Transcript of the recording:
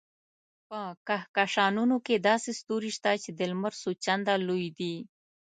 په کهکشانونو کې داسې ستوري شته چې د لمر څو چنده لوی دي.